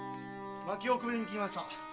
薪をくべに来ました。